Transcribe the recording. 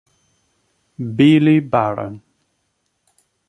Billy Baron